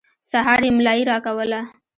سهار يې ملايي راکوله.